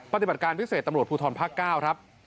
ปฏิบัติการพิเศษตำรวจภูทรภาค๙ครับ